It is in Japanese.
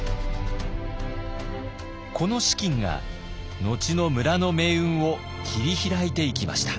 この資金が後の村の命運を切り開いていきました。